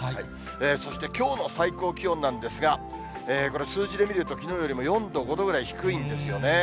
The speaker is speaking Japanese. そしてきょうの最高気温なんですが、この数字で見るときのうよりも４度、５度ぐらい低いんですよね。